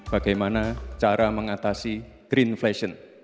bagaimana cara mengatasi greenflation